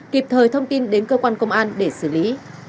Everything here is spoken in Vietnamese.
kịp thời thông tin đến cơ quan công an để xử lý